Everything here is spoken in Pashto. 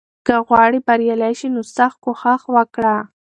که غواړې بریالی شې، نو سخت کوښښ وکړه.